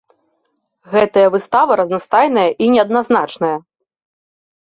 Гэтая выстава разнастайная і неадназначная.